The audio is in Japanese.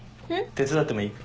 手伝ってもいい？